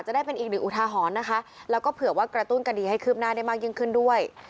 ได้เป็นอีกหนึ่งอุทาหรณ์นะคะแล้วก็เผื่อว่ากระตุ้นคดีให้คืบหน้าได้มากยิ่งขึ้นด้วย